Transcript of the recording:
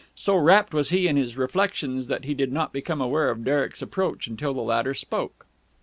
So rapt was he in his reflections that he did not become aware of Derek's approach until the latter spoke.